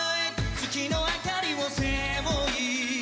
月の明かりを背負い」